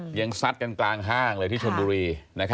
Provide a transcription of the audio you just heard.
ซัดกันกลางห้างเลยที่ชนบุรี